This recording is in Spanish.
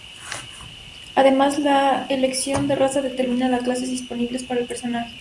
Además, la elección de la raza determina las clases disponibles para el personaje.